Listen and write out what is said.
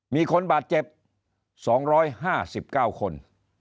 มีคนบาดเจ็บ๒๕๙คน